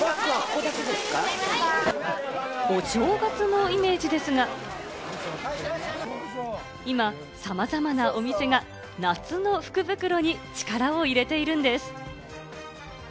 お正月のイメージですが、今さまざまなお店が夏の福袋に力を入れているんです。